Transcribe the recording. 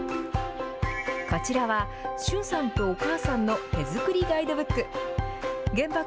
こちらは駿さんとお母さんの手作りガイドブック。